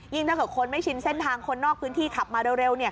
ถ้าเกิดคนไม่ชินเส้นทางคนนอกพื้นที่ขับมาเร็ว